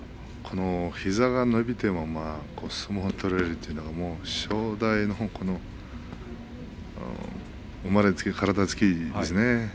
膝が伸びても相撲が取れるというのは正代の生まれつきの体つきなんですね。